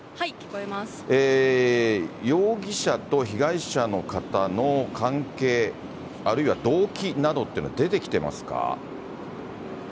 容疑者と被害者の方の関係、あるいは動機などというのは、出てきてますか？